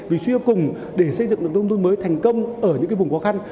vì suy nghĩa cùng để xây dựng được nông thôn mới thành công ở những vùng khó khăn